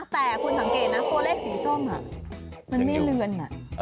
แต่คุณสังเกตนะตัวเลขสีส้มมันไม่เลือน